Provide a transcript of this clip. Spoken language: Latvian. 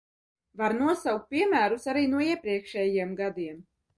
Var nosaukt piemērus arī no iepriekšējiem gadiem.